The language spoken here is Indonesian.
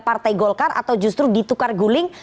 partai golkar atau justru ditukar guling